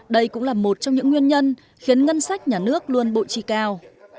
đây cũng là một trong những nguyên nhân khiến ngân sách nhà nước luôn bộ chi cao